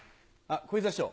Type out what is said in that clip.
小遊三師匠